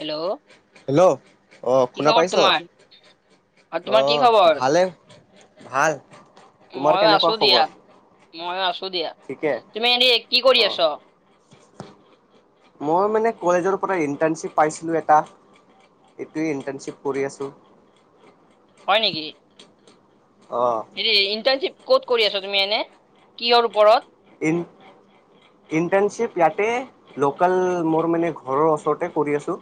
Hello hello, অ' কি শুনা খবৰ পাইছ। তোমাৰ আৰু অ' তোমাৰ কি খবৰ ভালে, ভাল তোমাৰ কেনেকুৱা খবৰ। মই আছো দিয়া, ঠিকে তুমি এনে কি কৰি অ আছ। মই মানে কলেজৰ পৰা ইণ্টাৰ্ণশ্বিপ পাইছিলো এটা, এইটোৱে ইণ্টাৰ্ণশ্বিপ কৰি আছোঁ। হয় নেকি? অহ'। হেৰি ইণ্টাৰ্ণশ্বিপ ক'ত কৰি আছ তুমি এনে, কিহৰ ওপৰত। ইন ইণ্টাৰ্ণশ্বিপ ইয়াতে, লোকেল মোৰ মানে ঘৰৰ ওচৰতে কৰি আছোঁ।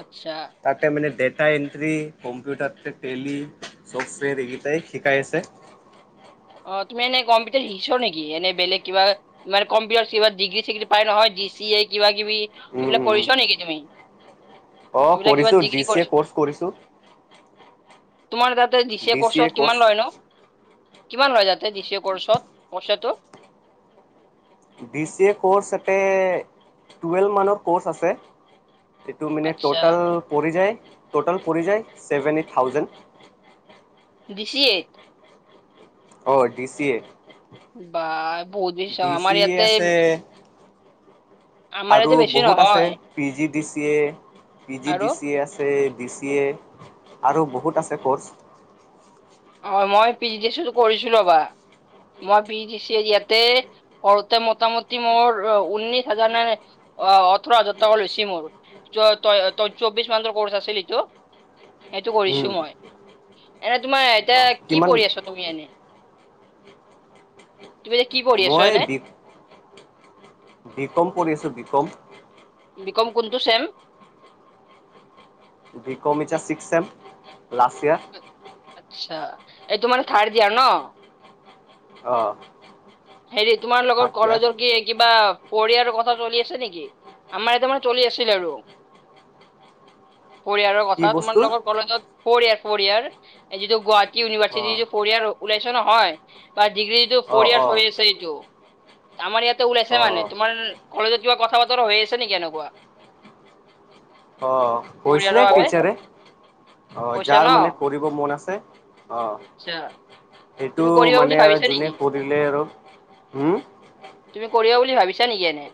আচ্ছা। তাতে মানে ডেটা এণ্ট্ৰি, কম্পিউটাৰ টে-টেলি, ছফ্টৱেৰ এইকেইটাই শিকাই আছে। অ' তুমি এনে কম্পিউটাৰ শিকিছ নেকি, এনে বেলেগ কিবা মানে কম্পিউটাৰ কিবা ডিগ্ৰী চিগ্ৰী পাই নহয় ডি চি এ কিবা কিবি উম এইবিলাক উম উম কৰিছ নেকি তুমি? অ', এইবিলাক কিবা কৰিছো ডিগ্ৰী ডি চি এ কৰিছ ক'ৰ্চ কৰিছোঁ। তোমাৰ তাতে ডিচি এ ডি চি কৰ্চত ক'ৰ্চ কিমান লয় নো? কিমান লয় যাতে ডিচি এ কৰ্চত পইচাটো? ডি চি এ ক'ৰ্চ তাতে টুৱেলভ মানৰ কৰ্চ আছে। এইটো মানে আচ্ছা টোটাল পৰি যায় টোটাল পৰি যায় ছেভেনটি থাউজেণ্ড। D C A. অ', ডি চি এ। বা বহুত বেছি ডি চোন আমাৰ চি এ ইয়াতে আছে আমাৰ আৰু ইয়াতে বেছি বহুত আছে নহয় P G D C A, P G আৰু ডি চি এ আছ এ বি চি এ আৰু বহুত আছে ক'ৰ্চ। অ', মই পি জি ডিচ ৰ টো কৰিছিলোঁ এবাৰ। মই পি জি ডি চি‌ ইয়াতে কৰোঁতে মোটামুটি মোৰ ঊনৈশ হাজাৰ মান অ', ওঠৰ হাজাৰ টকা লৈছ মোৰ ত' তই ত চৌবিশ মানহৰ ক'ৰ্চ আছিল এইটো। সেইটো কৰিছো মই এনে তোমাৰ এতিয়া কি কিমান পঢ়ি আছ তুমি এনে? তুমি এতিয়া‌ কি পঢ়ি আছ মই এনে? বি বি ক'ম কৰি আছোঁ, বি ক'ম। বি ক'ম কোনটো চেম? বি ক'ম এতিয়া ছিক্স চেম লাষ্ট ইয়াৰ। আচ্ছা, এইটো মানে থাৰ্ড ইয়াৰ ন'? অ'। হেৰি তোমাৰ লগত কলেজৰ কি কিবা ফ'ৰ ইয়াৰ কথা চলি আছে নেকি? আমাৰ ইয়াতে মানে চলি আছিল আৰু। ফ'ৰ ইয়াৰৰ কি কথা, বস্তু তোমালোকৰ কলেজত ফ'ৰ ইয়াৰ ফ'ৰ ইয়াৰ যিটো গুৱাহাটী ইউনিভাৰ্চিটি অঁ যিটো ফ'ৰ ইয়াৰ ওলাইছে নহয় বা ডিগ্ৰীটো অঁ ফ'ৰ ইয়াৰ্চ অঁ হৈ আছে এইটো। আমাৰ ইয়াতে ওলাইছে মানে, অঁ তোমাৰ কলেজত কিবা কথা-বতৰা হৈ আছে নেকি এনেকুৱা? অ', ফ'ৰ কৈছিলে ইয়াৰৰ বাবে টিচাৰে। অ', কৈছা ন যাৰ মানে পঢ়িব মন আছে। অ', আচ্ছা সেইটো তুমি কৰিবা বুলি মানে আৰু ভাবিছা নেকি যোনে কৰিলে আৰু উম। তুমি কৰিবা বুলি ভাবিছা নেকি এনে?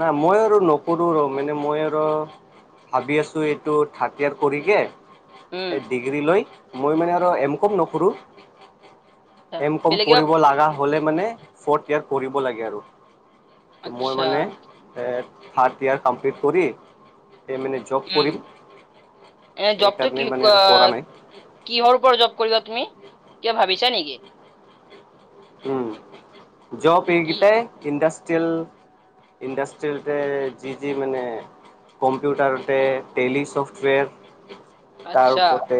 নাই মই আৰু নকৰোঁ ৰ' মানে মই আৰু ভাবি আছোঁ এইটো থাৰ্ড ইয়াৰ কৰি উম কে এই ডিগ্ৰী লৈ মই মানে আৰু এম কম নোকৰোঁ। আচ্ছা এম কম বেলেগ কিবা পঢ়িব লগা হ'লে মানে ফ'ৰ্থ ইয়াৰ পঢ়িব লাগে আৰু। ত' মই আচ্ছা মানে এ থাৰ্ড ইয়াৰ কমপ্লিট কৰি [unintelligible] জব উম কৰিম এ জবটো কি সেইকাৰণে মানে ক- আৰু কৰা নাই। কিহৰ ওপৰত জব কৰিবা তুমি? কিবা ভাবিছা নেকি? উম, জব কি এইকেইটাই ইণ্ডাষ্ট্ৰিয়েল ইণ্ডাষ্ট্ৰিৰ যে যি যি মানে কম্পিউটাৰতে টেলি চফ্টৱেৰ তাৰ আচ্ছা ওপৰতে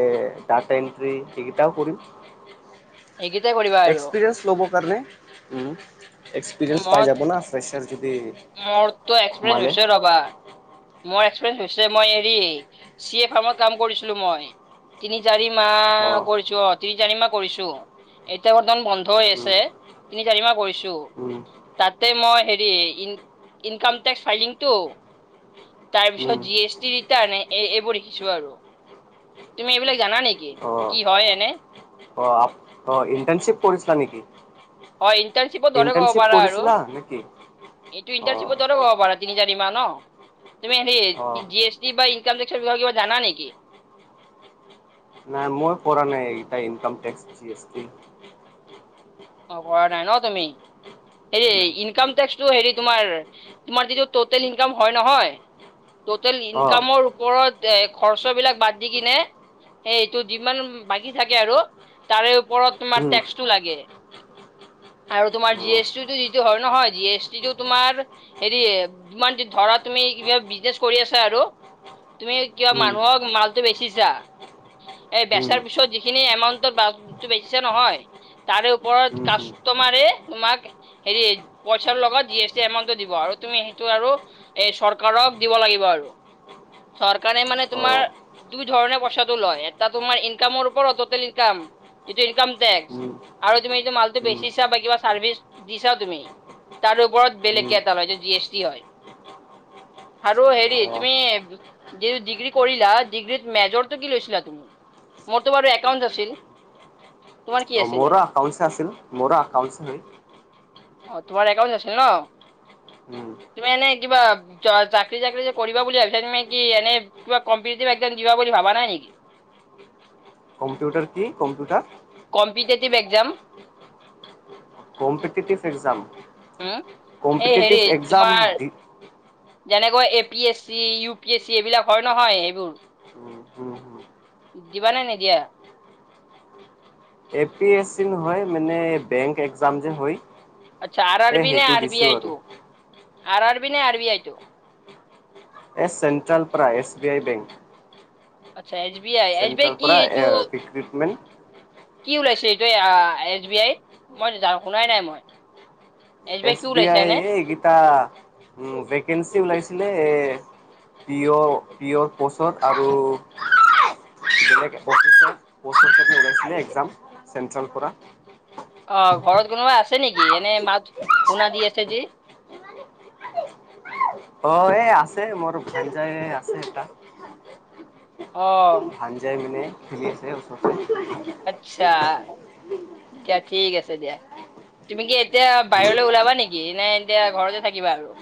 ডাটা এন্ট্ৰি সেইকেইটাও কৰিম। এইকেইটাই কৰিবা আৰু। [unintelligible] ল'ব কাৰণে, উম, এক্সপিৰিয়েঞ্চ পায় মই যাব না বাই চান্স যদি মোৰতো এক্সপিৰিয়েঞ্চ সোমালে হৈছে ৰ'বা। মোৰ এক্সপিৰিয়েন্ঞ্চ হৈছে, মই হেৰি চি এ ফাৰ্মত কাম কৰিছিলো মই। তিনি চাৰি অ মাহ কৰিছোঁ, অ' তিনি চাৰি মাহ কৰিছোঁ। এতিয়া বৰ্তমান বন্ধ হৈ উম আছে, তিনি চাৰি মাহ কৰিছোঁ। উম। তাতে মই হেৰি ইন-ইনকাম টেক্স ফাইলিংতটো তাৰ পিছত উম জি এছ টি ৰিটাৰ্ণ এ-এইবোৰ লিখিছোঁ আৰু। তুমি এইবিলাক জানা নেকি, অ কি হয় এনে? অ', আপ অ', ইণ্টাৰ্নচিপ কৰিছিলা নেকি? হয় ইণ্টাৰ্ণশ্বিপৰ দৰে ক'ব ইণ্টাৰ্ণশ্বিপ পাৰা আৰু। কৰিছিলা নেকি এইটো অ ইণ্টাৰশ্বিপৰ দৰে ক'ব পাৰা। তিনি চাৰিমাহ ন', তুমি অ হেৰি জি এছ টি বা ইনকাম টেক্সৰ বিষয় কিবা জানা নেকি? নাই মই কৰা নাই income tax, G S T. অ' কৰা নাই ন' তুমি? হেৰি নাই ইনকাম টেক্সটো হেৰি তোমাৰ, তোমাৰ যিটো ট'টেল ইনকাম হয় নহয় টুটেল অ ইনকামৰ ওপৰত এ, খৰচবিলাক বাদ দি কিনে সেই এইটো যিমান বাকী থাকে আৰু তাৰে ওপৰত তোমাৰ টেক্সটো লাগে। আৰু তোমাৰ জি এছ টিটো যিটো হয় নহয়, জি এছ টিটো তোমাৰ হেৰি ইমান ধৰা তুমি কিবা বিজনেচ কৰি আছা আৰু তুমি কিবা মানুহক মালটো বেচিছা এই বেচাৰ পিছত যিখিনি এমাউণ্টত বাটো বেচিছা নহয় তাৰে ওপৰত কাষ্টমাৰে তোমাক হেৰি পইচাৰ লগত জি এছ টি এমাউণ্টটো দিব আৰু তুমি সেইটো আৰু এই চৰকাৰক দিব লাগিব আৰু, চৰকাৰে মানে তোমাৰ দুই ধৰণে পইচাটো লয়, এটা তোমাৰ ইনকামৰ ওৰত ট'টেল ইনকাম এইটো ইনকাম টেক্স। আৰু তুমি যিটো মালটো বেচিছা বা কিবা চাৰ্ভিচ দিছা তুমি তাৰ ওপৰত বেলেগকে এটা লয়, টো জি এছ টি হয়। আৰু হেৰি তুমি যি ডিগ্ৰি কৰিলা ডিগ্ৰিত মেজৰটো কি লৈছিলা তুমি? মোৰতো বাৰু একাউণ্টছ আছিল। তোমাৰ কি আছিলে? মোৰো আকাউঞ্চ আছিল, মোৰো আকাউঞ্চ হয়। অ'তোমাৰ একাউণ্টছ আছিল ন' তুমি এনে কিবা চ-চাকৰি চাকৰি যে কৰিবা বুলি ভাবিছা তুমি কি এনে কিবা কম্পেটেটিভ এক্সাম দিবা বুলি ভাবা নাই নেকি? কম্পিউটাৰ কি, computer? Competitive exam. Competitive exam, উম, এই কম্পিটেটিভ হেৰি এক্সাম তোমাৰ দি যেনেকৈ A P S C, U P S C এইবিলাক হয় নহয় এইবোৰ। [unintelligible] দিবা নে নিদিয়া? এ পি এছ চি নহয় মানে বেংক এক্সাম যে হয় আচ্ছা, আৰ আৰ এ বি নে সেইটো আৰ বি দিছোঁ আৰু আইটো? আৰ আৰ বি নে আৰ বি আইটো? এ, চেন্ট্ৰাল প্ৰা, এছ বি আই বেংক। আচ্ছা S B I, S B I central কি পৰা এইটো ৰিক্ৰুটমেণ্ট কি ওলাইছে এইটো আ, এছ বি আইত মই শুনাই নাই মই। এছ বি আই, এ, এইকেইটা উ, ভেকেঞ্চি ওলাইছিলে পিয়, পিয়ৰ পষ্টত আৰু বেলেগ অফিচত [unintelligible] ওলাইছিলে এক্সাম চেণ্ট্ৰেল পৰা। অঁ ঘৰত কোনোবা আছে নেকি? এনে মাত শুনা দি আছে যে। অ এই আছে, মোৰ ভানজায়ে আছে এটা। অ। ভানজাই মানে খেলি আছে ওচৰতে। আচ্ছা, দিয়া ঠিক আছে দিয়া। তুমি কি এতিয়া বাহিৰলৈ ওলাবা নেকি? নে এতিয়া ঘৰতে থাকিবা আৰু।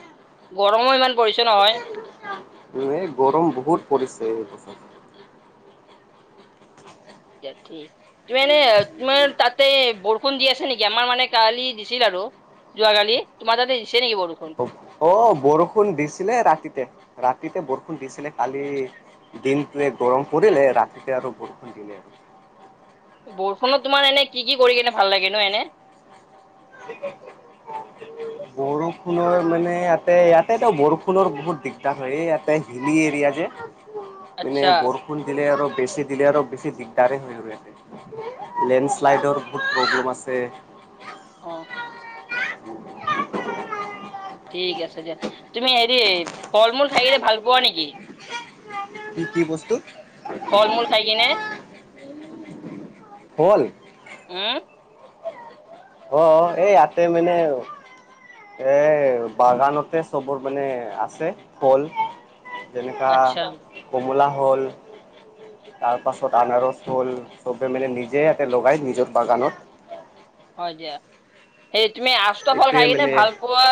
গৰমো ইমানো পৰিছে নহয়। এহ গৰম বহুত পৰিছে এই বছৰত। [inaudible] তুমি এনে তোমাৰ তাতে বৰষুণ দি আছে নেকি? আমাৰ মানে কালি দিছিল আৰু যোৱাকালি, তোমাৰ তাতে দিছে নেকি বৰষুণ? অ বৰষুণ দিছিলে ৰাতিতে, ৰাতিতে বৰষুণ দিছিলে কালি দিনটোৱে গৰম পৰিলে, ৰাতিতে আৰু বৰষুণ দিলে। বৰষুণত তোমাৰ এনেই কি কি কৰি কেনে ভাল লাগে ন এনেই। [inaudible] বৰষুণৰ মানে ইয়াতে ইয়াতেতো বৰষুণৰ বহুত দিগদাৰ হয়, এই ইয়াতে হিলি এৰিয়া যে। মানে আচ্ছা বৰষুণ দিলে আৰু বেছি দিলে আৰু বেছি দিগদাৰে হয় আৰু ইয়াতে। লেণ্ড অ শ্লাইডৰ বহুত প্ৰব্লেম আছে। অঁ। ঠিক আছে দিয়া, তুমি হেৰি ফল মূল খাইকিনে ভাল পোৱা নেকি? কি কি বস্তু? ফল মূল খাই কিনে। ফল। উম। অঁ, এই ইয়াতে মানে এ বাগানতে চবৰ মানে আছে ফল। যেনেকা আচ্ছা কমলা হ'ল। তাৰ পাছত আনাৰস ফল চবে মানে নিজে ইয়াতে লগাই নিজৰ বাগানত। হয় দিয়া, সেই তুমি আষ্ট ফল এইটোৱে খাই কিনে মানে ভাল পো ৱা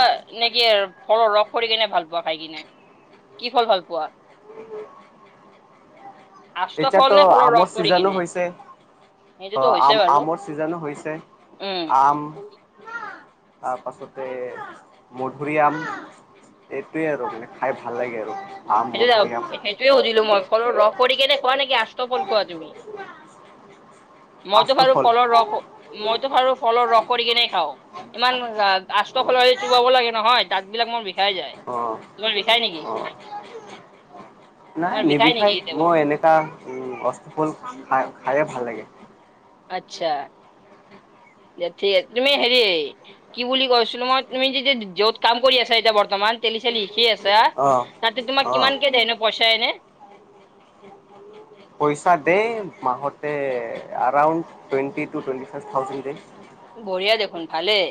নে, কি ফলৰ ৰস কৰি কিনে ভাল পোৱা খাই কিনে। কি ফল ভাল পোৱা? আষ্ট ফল এতিয়াতো নে ফলৰ আমৰ ৰস কৰি চিজনো কিনে? হৈছে, অ সেইটোতো হৈছে আম বাৰু আমৰ চিজানো হৈছে, উম। আম তাৰপাছতে, মধুৰীআম। এইটোয়ে আৰু মানে খাই ভাল লাগে আৰু। আম সেইটোৱেতো, মধুৰি আম সেইটোৱে সুধিলো মই। ফলৰ ৰস কৰি কেনে খোৱা নেকি, আষ্ট ফল খোৱা তুমি? মইতো আচটো বাৰু ফল ফলৰ ৰস, মইতো বাৰু ফল ৰস কৰি কিনে খাওঁ, ইমান অ আষ্ট ফলৰ চোবাব লাগে নহয়। দাঁত বিলাক মোৰ বিষাই যায়, অ তোমাৰ বিষাই নেকি? অ নাই তোমাৰ বিষাই নিবিষাই, নেকি কেতিয়াবা? মই এনেকা আষ্ট ফল খাই খাইয়ে ভাল লাগে। আচ্ছা, দিয়া ঠিক তুমি হেৰি কি বুলি কৈছিলোঁ মই, তুমি এতিয়া য'ত কাম কৰি আছা এতিয়া বৰ্তমান তেলি চেলি শিকি আ ছা, অ তাতে তোমাক অ কিমান কে দিয়ে এনে পইচা এনেই? পইচা দে মাহতে around twenty two twenty five thousand দে। বঢ়িয়া দেখোন, ভালেই।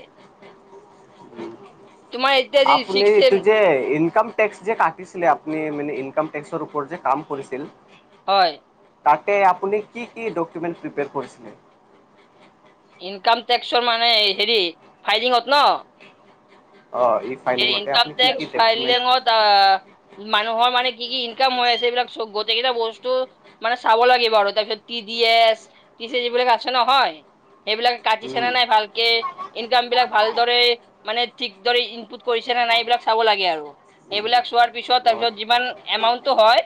তোমাৰ এতিয়া যি আপুনি ছিক্স চেম এইটো যে ইনকম টেক্স যে কাটিছিলে আপুনি মানে ইনকাম টেক্সৰ ওপৰত যে কাম কৰিছিল। হয়। তাতে আপুনি কি কি ডকুমেণ্টৰ প্ৰিপেৰ কৰিছিলে? ইনকাম টেক্সৰ মানে হেৰি ফাইৰিংত ন? অহ, সি ইনকম টেক্স ফাইললেংত আহ, মানুহৰ মানে কি কি ইনকাম হৈ আছে, এইবিলাক চ' গোটেইকেইটা বস্তু মানে চাব লাগিব বাৰু তাৰপিছত টি ডি এছ, টি [unintelligible] এইবিলাক আছে নহয়? সেইবিলাক উম, কাটিছেনে নাই ভালকে? ইনকামবিলাক ভালদৰে মানে ঠিক দৰে ইনপুট কৰিছেনে নাই এইবিলাক চাব লাগে আৰু। সেইবিলাক চোৱাৰ পিছত অ' তাৰপিছত যিমান এমাউন্টটো হয়?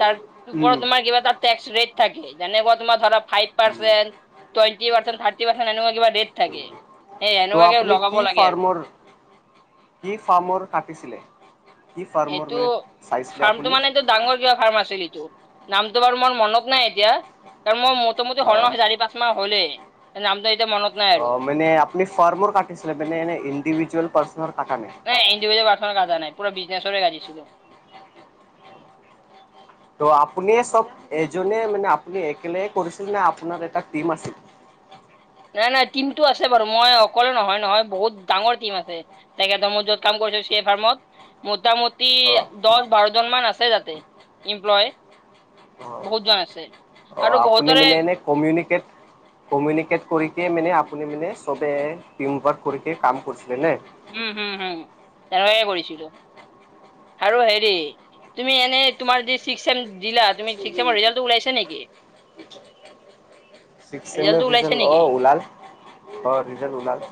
তাৰ উম, ওপৰত তোমাৰ কিবা এটা ৰেট থাকে! যেনেকুৱা তোমাৰ ধৰা ফাইভ উম। Percent twenty percent thirty percent এনেকুৱা কিবা ৰেট থাকে! সেই এনেকুৱা কিবা লগাব লাগে আৰু। ই ফাৰ্মৰ কাটিছিলে! ই এইটো ফাৰ্মৰ মানে চাইছিলে ফাৰ্মটো আপুনি? মানে এইটো ডাঙৰ কিবা ফাৰ্মাচি কিন্তু নামটো বাৰু মোৰ মনত নাই এতিয়া। কাৰণ মোৰ অ'। [unintelligible] পাঁচ মাহ হ'লেই, নামটো এতিয়া মনত নাই আৰু অহ' মানে আপুনি ফাৰ্মৰ কাটিছিলে মানে এ ইণ্ডিভিজুৱেল পাৰ্চ কটা নায়। নাই ইণ্ডিভিজুৱেল পাৰ্চৰ কাটা নাই, পুৰা বিষ্ণেচৰে কাটিয়ে। ত' আপুনিয়ে চব এজনে মানে আপুনি একেলগে কৰিছিলনে আপোনাৰ এটা টিম আছিল? নাই নাই টিমতটো আছে বাৰু। মই অকলে নহয় নহয় বহুত ডাঙৰ টিম আছে। তাকেটো মোৰ য'ত কাম কৰিছোঁ ষ্টেফাৰ্মত মতামত মতামতি অ', দহ বাৰজন মান আছে তাতে, এমপ্লয়, বহুতজন আছে। অহ, আৰু আপুনি বহুতৰে মানে এনেই কমিউনিকেট কমিউনিকেট কৰি মানে আপুনি মানে চবে টিম ৱৰ্ক কৰি কাম কৰিছিলেনে? উম', হম', হয়। তেনেকে কৰিছিলোঁ। আৰু হেৰি। তুমি এনেই তোমাৰ যি ছিক্স চেম দিলা। তুমি ছিক্স চেমৰ ৰিজাল্টো ওলাইছে নেকি? ছিক্স ৰিজাল্টটো ওলাইছে চেমৰ নেকি? অহ ওলাল, ৰিজাল ওলাল।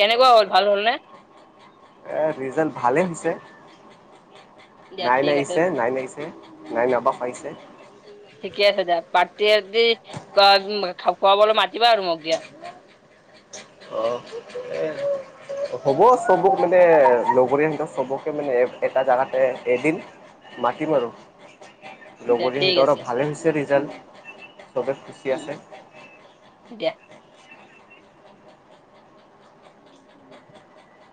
কেনেকুৱা হ'ল! ভাল হ'লনে? এ ৰিজাল্ট ভালে হৈছে! দিয়া নাইন ঠিক আছে আহিছে, নাইন আহিছে। নাইন এইবাৰ পাইছেঁ। ঠিকে আছে দিয়া। বাৰ্টদে-চাৰ্টদে [unintelligible] খোৱাবলে মাতিবা আৰু মোক দিয়া। অহ', এ অহ, হ'ব চবক মানে লগৰিহেঁতক চবকে মানে এটা জাগাতে দে দিম। মাতিম আৰু দিয়া লগৰীয়া ঠিক হাঁতৰ আছে ভালে হৈছে ৰিজাল্ট। চবে উম, আছে দিয়া।